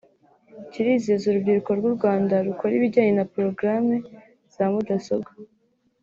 kirizeza urubyiruko rw’u Rwanda rukora ibijyanye na porogaramu za mudasobwa